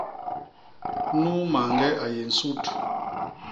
Nuu mañge a yé nsut.